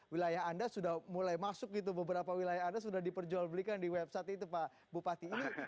wilayah anda sudah mulai masuk gitu beberapa wilayah anda sudah diperjual belikan di website itu pak bupati